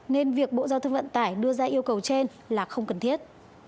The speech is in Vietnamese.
nên việc bộ giao thông vận tải đưa ra yêu cầu trên là không cần thiết